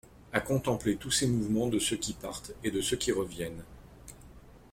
À contempler tous ces mouvements de ceux qui partent et de ceux qui reviennent.